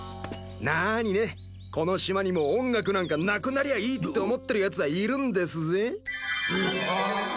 なにねこの島にも音楽なんかなくなりゃいいって思ってるやつはいるんですぜ？